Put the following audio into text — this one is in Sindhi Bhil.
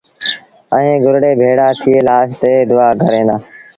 ائيٚݩ گُرڙي ڀيڙآ ٿئي لآش تي دئآ ڪريݩ دآ